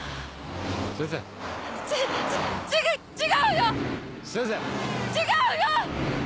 違うよ！